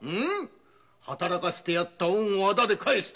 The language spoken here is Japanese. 働かせてやった恩を仇で返すとは。